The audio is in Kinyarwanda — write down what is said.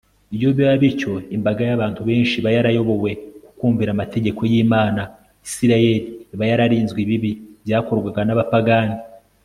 iyo biba bityo, imbaga y'abantu benshi iba yarayobowe ku kumvira amategeko y'imana, isirayeli iba yararinzwe ibibi byakorwaga n'abapagani